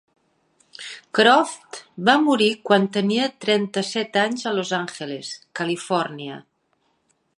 Croft va morir quan tenia trenta-set anys a Los Angeles, Califòrnia.